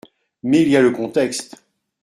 Mais il y a le contexte.